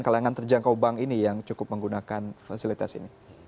kalangan terjangkau bank ini yang cukup menggunakan fasilitas ini